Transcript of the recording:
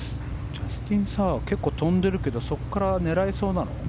ジャスティン・サー結構飛んでるけどそこから狙えそうなの？